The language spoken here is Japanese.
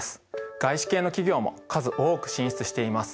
外資系の企業も数多く進出しています。